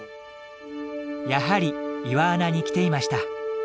やはり岩穴に来ていました。